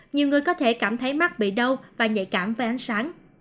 nhiều người có thể cảm thấy mắt bị đâu và nhạy cảm với ánh sáng